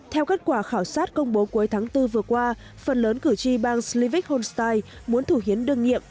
theo kết quả khảo sát công bố cuối tháng bốn vừa qua phần lớn cử tri bang slivik homestay muốn thủ hiến đương nhiệm